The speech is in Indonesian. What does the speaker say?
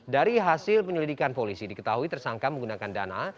dari hasil penyelidikan polisi diketahui tersangka menggunakan dana